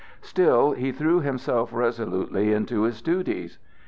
Still he threw himself resolutely into his duties.